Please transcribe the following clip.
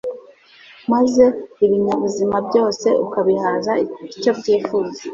maze ibinyabuzima byose ukabihaza icyo byifuza